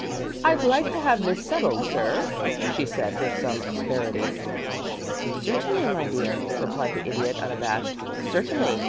"I'd like to have this settled, sir," she said, with some asperity. "Certainly, my dear madame," replied the Idiot, unabashed "certainly.